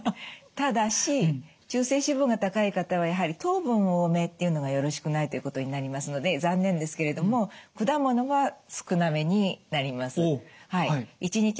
ただし中性脂肪が高い方はやはり糖分多めっていうのがよろしくないということになりますので残念ですけれども果物は少なめになります。